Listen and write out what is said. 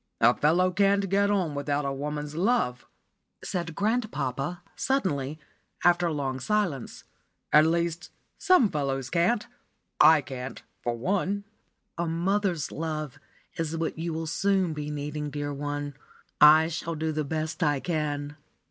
"A fellow cannot get on without woman's love," said grandpapa, suddenly, after a long silence. "At least, some fellows can't I can't for one." "A mother's love is what you will soon be needing, dear one. I shall do the best I can."